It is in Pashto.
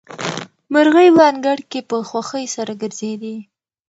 مرغۍ په انګړ کې په خوښۍ سره ګرځېدې.